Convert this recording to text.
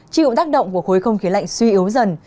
chịu tác động của khối không khí lạnh suy yếu dần